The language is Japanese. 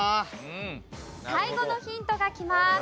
最後のヒントがきます。